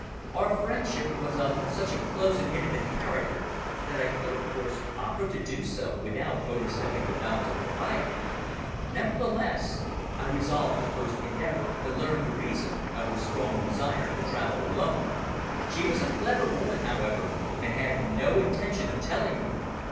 Our friendship was of such a close and intimate character that I could of course offer to do so without overstepping the bounds of propriety, nevertheless I resolved to first endeavour to learn the reason of her strong desire to travel alone. She was a clever woman, however, and had no intention of telling me.